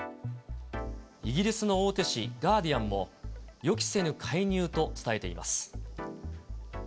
イギリスの大手紙、ガーディアンも、予期せぬ介入と伝えています。